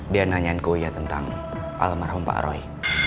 dia nanyaan ku ya tentang alam marhum pak roy